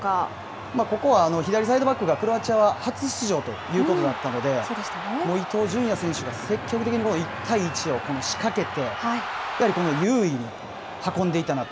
ここは左サイドバックがクロアチアは初出場ということだったので、もう伊東純也選手が積極的に１対１を仕掛けて、やはりこの優位に運んでいたなと。